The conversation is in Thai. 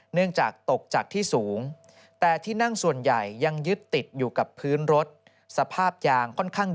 เนื่องจากตกจากที่สูง